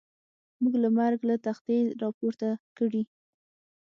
موږ له مرګ له تختې را پورته کړي.